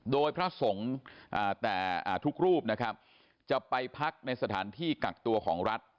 โดยพระสงฆ์แต่ทุกรูปนะครับจะไปพักในสถานที่กักตัวของรัฐ